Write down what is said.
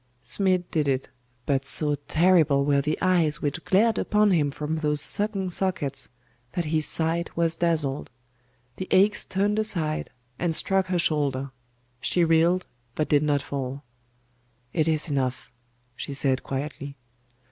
Smid did it: but so terrible were the eyes which glared upon him from those sunken sockets, that his sight was dazzled. The axe turned aside, and struck her shoulder. She reeled, but did not fall. 'It is enough,' she said quietly.